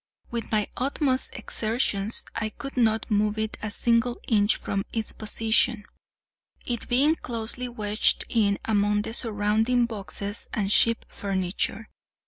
With my utmost exertions I could not move it a single inch from its position, it being closely wedged in among the surrounding boxes and ship furniture.